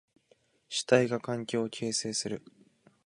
主体が環境を形成する。